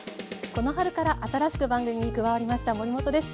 この春から新しく番組に加わりました守本です。